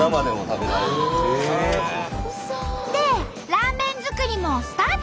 でラーメン作りもスタート。